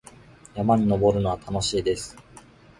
山に登るのは楽しいです。